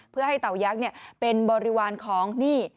เพื่อให้เต่ายักษ์เป็นบริวารของนี่